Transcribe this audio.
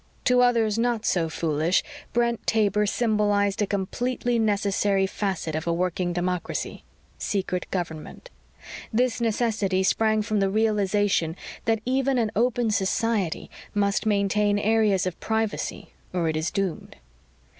To others not so foolish, Brent Taber symbolized a completely necessary facet of a working democracy secret government. This necessity sprang from the realization that even an open society must maintain areas of privacy or it is doomed.